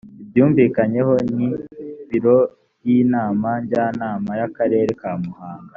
ibyumvikanyeho ni ibiro y inama njyanama yakarere ka muhanga